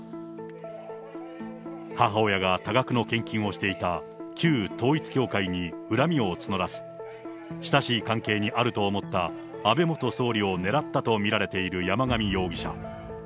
母親が多額の献金をしていた旧統一教会に恨みを募らせ、親しい関係にあると思った安倍元総理を狙ったと見られている山上容疑者。